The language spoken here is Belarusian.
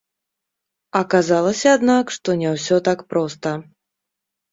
Аказалася, аднак, што не ўсё так проста.